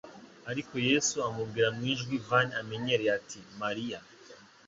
Ariko Yesu amubwira mu ijwi van amenyereye ati: "Mariya!"